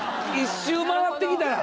１周回ってきたら！？